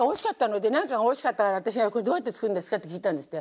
で何かがおいしかったから私が「これどうやって作るんですか？」って聞いたんですって。